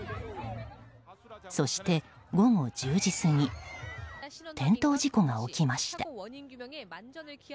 そして午後１０時過ぎ転倒事故が起きました。